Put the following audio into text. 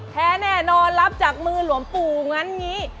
แท้แน่นอนรับจากมือหลวงปู่งั้นอย่างนี้